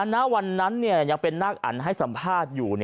ณวันนั้นยังเป็นนักอันให้สัมภาษณ์อยู่